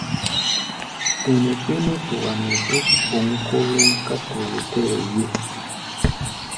Ɛnɛ kpé nútua nɛ́ dúk bóŋkólóŋ ká toyó tɛɛ́ ye.